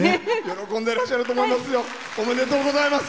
喜んでらっしゃると思いますよ。